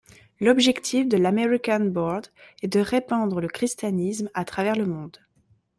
L'objectif de l'American Board est de répandre le christianisme à travers le monde.